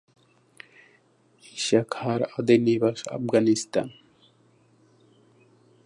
ঈশা খাঁর আদি নিবাস আফগানিস্তান।